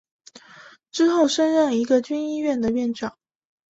之后升任一个军医院的院长。